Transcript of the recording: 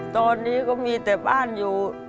ตอนนี้ก็มีแต่บ้านอยู่